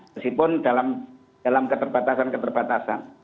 meskipun dalam keterbatasan keterbatasan